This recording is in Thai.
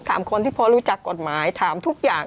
ถามคนที่พอรู้จักกฎหมายถามทุกอย่าง